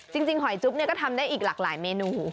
หอยจุ๊บก็ทำได้อีกหลากหลายเมนู